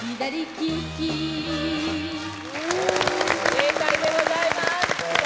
正解でございます。